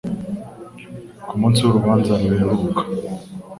Ku munsi w'urubanza ruheruka,